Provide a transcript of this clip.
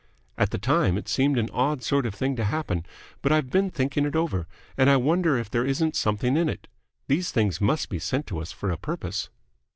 At the time it seemed an odd sort of thing to happen, but I've been thinking it over and I wonder if there isn't something in it. These things must be sent to us for a purpose."